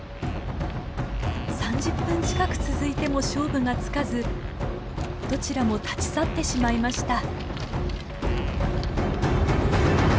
３０分近く続いても勝負がつかずどちらも立ち去ってしまいました。